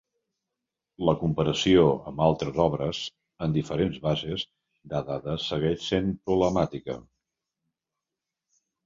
La comparació amb altres obres en diferents bases de dades segueix sent problemàtica.